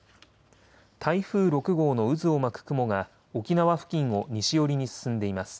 台風６号の渦を巻く雲が沖縄付近を西寄りに進んでいます。